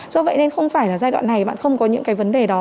do vậy nên không phải là giai đoạn này bạn không có những cái vấn đề đó